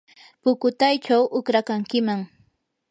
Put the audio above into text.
pukutaychaw uqrakankiman.